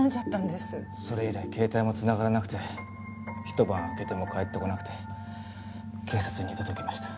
それ以来携帯も繋がらなくてひと晩明けても帰ってこなくて警察に届けました。